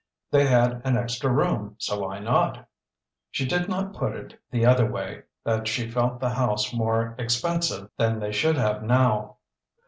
They had an extra room, so why not? She did not put it the other way that she felt the house more expensive than they should have now.